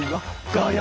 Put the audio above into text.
「ガヤ！